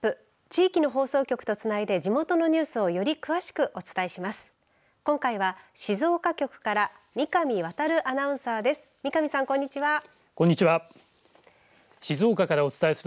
地域の放送局とつないで地元のニュースをより詳しくお伝えします。